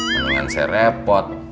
mendingan saya repot